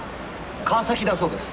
川崎だそうです。